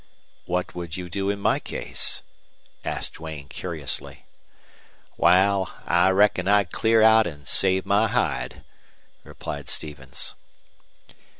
"What would you do in my case?" asked Duane, curiously. "Wal, I reckon I'd clear out an' save my hide," replied Stevens.